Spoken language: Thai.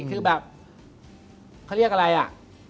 คือแบบเขาเรียกอะไรอ่ะ